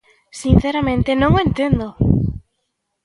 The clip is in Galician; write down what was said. Sinceramente, ¡non o entendo!